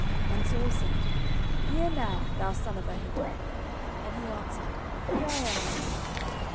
09:022:012 And Saul said, Hear now, thou son of Ahitub. And he answered, Here I am, my lord.